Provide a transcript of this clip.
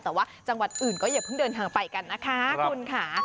แต่ว่าจังหวัดอื่นก็อย่าเพิ่งเดินทางไปกันนะคะคุณค่ะ